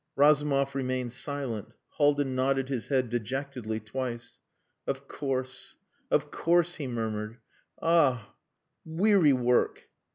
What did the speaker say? Razumov remained silent. Haldin nodded his head dejectedly twice. "Of course. Of course," he murmured.... "Ah! weary work!"